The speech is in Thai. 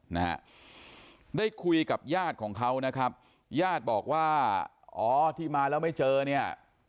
นะฮะได้คุยกับญาติของเขานะครับญาติบอกว่าอ๋อที่มาแล้วไม่เจอเนี่ย